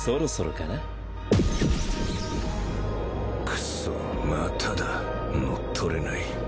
くそっまただ乗っ取れない。